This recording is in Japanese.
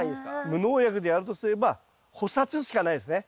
無農薬でやるとすれば捕殺しかないですね。